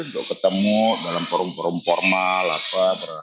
untuk ketemu dalam forum forum formal apa